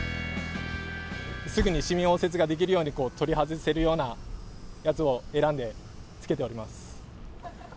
すぐに市民応接ができるように、取り外せるようなやつを選んでつけております。